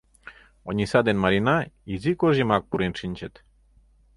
Ониса ден Марина изи кож йымак пурен шинчыт.